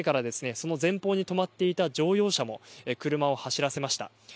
その前方で止まっていた乗用車も車を走らせました。